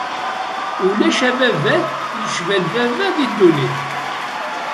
Ulac ababat yecban baba di ddunit.